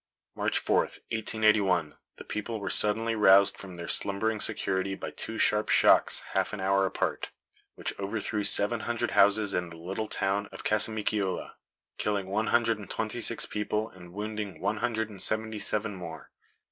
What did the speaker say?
March 4, 1881, the people were suddenly roused from their slumbering security by two sharp shocks half an hour apart, which overthrew seven hundred houses in the little town of Casamicciola, killing one hundred and twenty six people and wounding one hundred and seventy seven more.